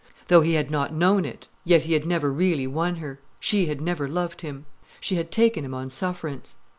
Though he had not known it, yet he had never really won her, she had never loved him. She had taken him on sufference.